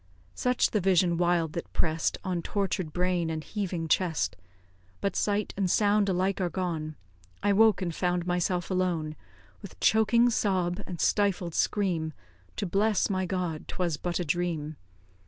Such the vision wild that press'd On tortur'd brain and heaving chest; But sight and sound alike are gone, I woke, and found myself alone; With choking sob and stifled scream To bless my God 'twas but a dream!